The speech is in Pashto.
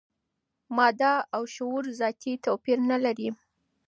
ماده او شعور ذاتي توپیر نه لري.